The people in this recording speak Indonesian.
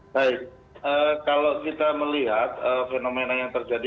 baik kalau kita melihat fenomena yang terjadi